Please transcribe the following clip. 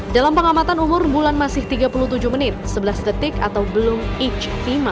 dalam pengamatan umur bulan masih tiga puluh tujuh menit sebelas detik atau belum each lima